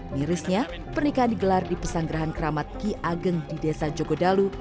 mirisnya pernikahan digelar di pesanggerahan keramat ki ageng di desa jogodalu